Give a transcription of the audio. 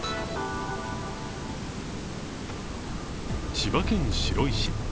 千葉県白井市。